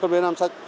cần phải làm sạch